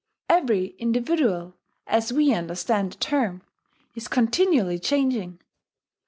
Every individual, as we understand the term, is continually changing.